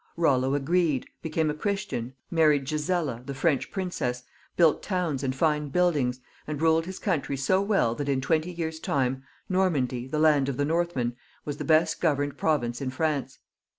Eollo agreed, became a Christian, married Gisela the French princess, built towns and fine buildings, and ruled his country so well, that in twenty years' time, Normandy, the land of the Northmen, was the best governed province in France.